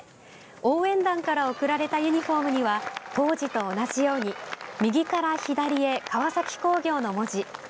応援団から贈られたユニフォームには当時と同じように、右から左へ「川崎工業」の文字。